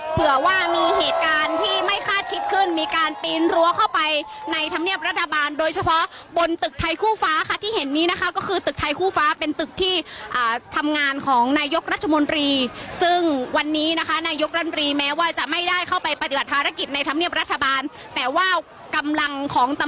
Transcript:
เผื่อว่ามีเหตุการณ์ที่ไม่คาดคิดขึ้นมีการปีนรั้วเข้าไปในธรรมเนียบรัฐบาลโดยเฉพาะบนตึกไทยคู่ฟ้าค่ะที่เห็นนี้นะคะก็คือตึกไทยคู่ฟ้าเป็นตึกที่ทำงานของนายกรัฐมนตรีซึ่งวันนี้นะคะนายกรัฐมนตรีแม้ว่าจะไม่ได้เข้าไปปฏิบัติภารกิจในธรรมเนียบรัฐบาลแต่ว่ากำลังของต